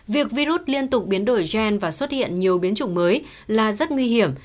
việc virus liên tục biến đổi gen và xuất hiện nhiều biến chủng mới là rất nguy hiểm